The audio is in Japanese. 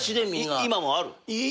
今もある？